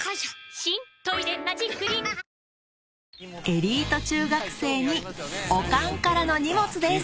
エリート中学生にオカンからの荷物です